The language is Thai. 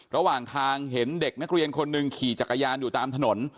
ระหว่างทางเห็นเด็กนักเรียนคนหนึ่งขี่จักรยานอยู่ตามถนน